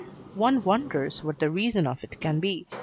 One wonders what the reason of it can be.